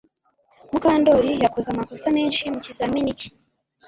Mukandoli yakoze amakosa menshi mukizamini cye